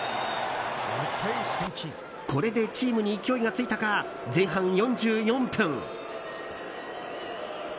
これでチームに勢いがついたか前半４４分。